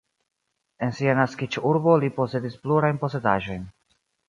En sia naskiĝurbo li posedis plurajn posedaĵojn.